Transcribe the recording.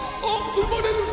生まれる！